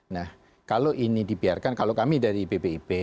nah kalau ini dibiarkan kalau kami dari bpip